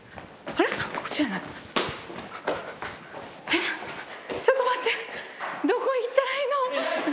えっちょっと待ってどこ行ったらいいの？